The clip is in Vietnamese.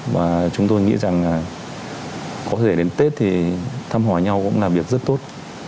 và chúng tôi nghĩ rằng có thể đến tết thì thăm hỏi nhau cũng là việc rất tốt